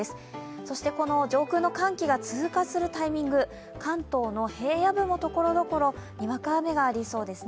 そして上空の寒気が通過するタイミング、関東の平野部もところどころにわか雨がありそうですね。